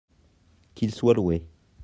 qu'il soit loué.